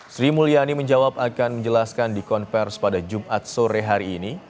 sri mulyani menjawab akan menjelaskan di konversi pada jumat sore hari ini